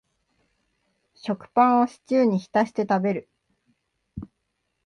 食パンをシチューに浸して食べる